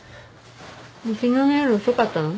昨日の夜遅かったの？